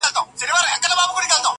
غوجله تياره فضا لري ډېره,